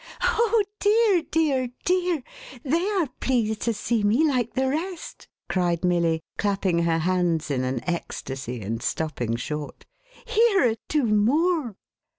" Oh dear, dear, dear, they are pleased to see me like the rest!" cried Milly, clapping her hands in an ecstasy, and stopping short. " Here are two more